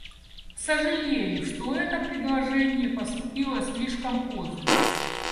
Сожалею, что это предложение поступило слишком поздно.